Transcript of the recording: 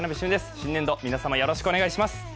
新年度、皆様よろしくお願いします